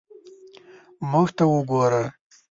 موږ ته وګوره.